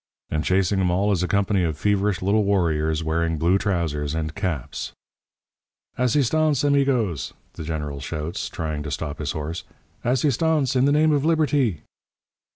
And chasing 'em all is a company of feverish little warriors wearing blue trousers and caps. "'Assistance, amigos,' the General shouts, trying to stop his horse. 'Assistance, in the name of Liberty!'